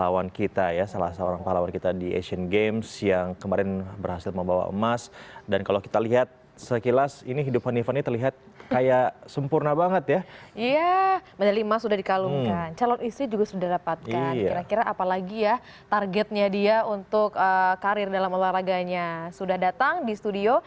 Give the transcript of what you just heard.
untuk karir dalam olahraganya sudah datang di studio